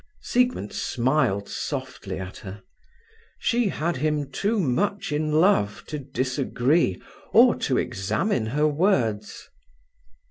Siegmund smiled softly at her. She had him too much in love to disagree or to examine her words.